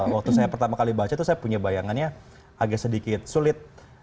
waktu saya pertama kali baca tuh saya punya bayangannya agak sedikit sulit